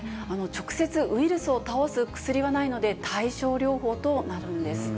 直接ウイルスを倒す薬はないので、対症療法となるんです。